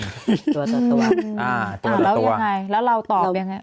ตัวต่อตัวอ่าแล้วยังไงแล้วเราตอบยังไง